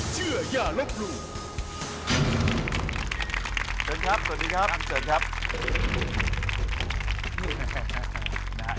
เชิญครับสวัสดีครับ